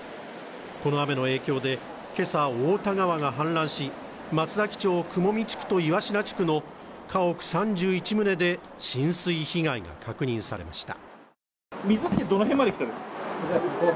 この雨の影響で、今朝、太田川が反落し、松崎町雲見地区と岩科地区の家屋３１棟で浸水被害が確認されました。